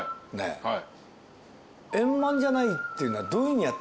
円満じゃないっていうのは。